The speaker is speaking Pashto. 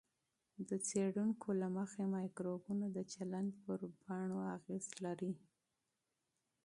د څېړونکو له مخې، مایکروبونه د چلند پر بڼو اغېز لري.